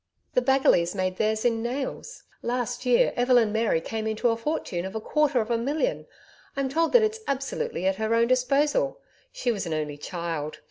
The Bagallays made theirs in nails. Last year Evelyn Mary came into a fortune of a quarter of a million. I'm told that it's absolutely at her own disposal. She was an only child.